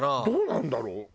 どうなんだろう？